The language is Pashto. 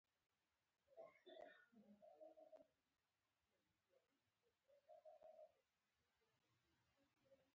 آیا د کاناډا ډالر د دوی پولي واحد نه دی؟